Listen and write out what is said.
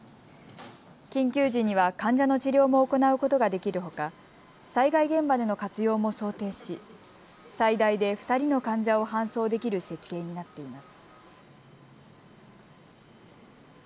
緊急時には患者の治療も行うことができるほか災害現場での活用も想定し最大で２人の患者を搬送できる設計になっています。